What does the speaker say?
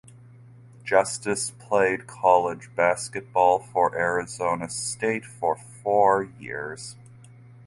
Justice played college basketball for Arizona State for four years.